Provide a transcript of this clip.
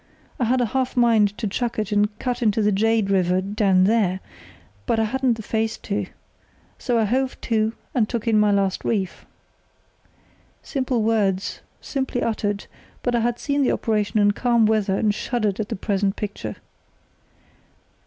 I had half a mind to chuck it and cut into the Jade River, down there," but I hadn't the face to, so I hove to and took in my last reef." (Simple words, simply uttered; but I had seen the operation in calm water and shuddered at the present picture.)